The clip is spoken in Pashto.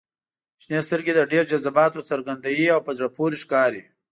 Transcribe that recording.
• شنې سترګې د ډېر جذباتو څرګندوي او په زړه پورې ښکاري.